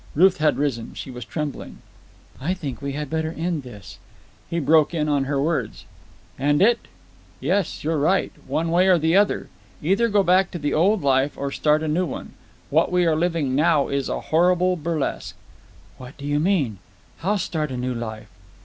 Ruth had risen. She was trembling. "I think we had better end this." He broke in on her words. "End it? Yes, you're right. One way or the other. Either go back to the old life or start a new one. What we are living now is a horrible burlesque." "What do you mean? How start a new life?"